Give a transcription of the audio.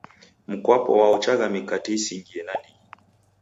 Mkwapo waochagha mikate isingie nandighi.